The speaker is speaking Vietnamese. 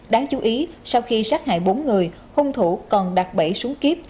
đáng chú ý sau khi sát hại bốn người hung thủ còn đặt bẫy xuống kiếp